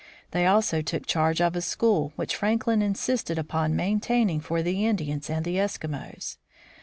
They also took charge of a school, which Franklin insisted upon maintaining for the Indians and the Eskimos.